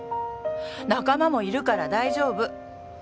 仲間もいるから大丈夫。